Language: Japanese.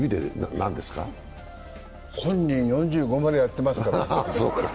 本人、４５までやってますから。